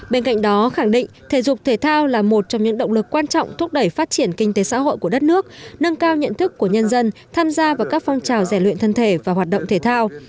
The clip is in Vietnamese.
bên cạnh đó khẳng định thể dục thể thao là một trong những động lực quan trọng thúc đẩy phát triển kinh tế xã hội của đất nước nâng cao nhận thức của nhân dân tham gia vào các phong trào giải luyện thân thể và hoạt động thể thao